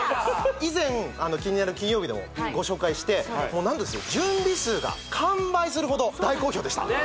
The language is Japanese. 以前「キニナル金曜日」でもご紹介して何とですね準備数が完売するほど大好評でした